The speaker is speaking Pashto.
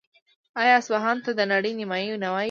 آیا اصفهان ته د نړۍ نیمایي نه وايي؟